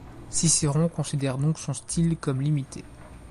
Cicéron considère donc son style comme limité.